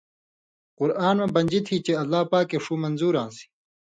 قران مہ بَنژی تھی چےۡ اللہ پاکے ݜُو منظُور آن٘سیۡ